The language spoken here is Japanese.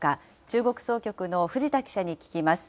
中国総局の藤田記者に聞きます。